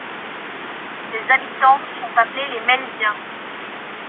Ses habitants sont appelés les Melziens.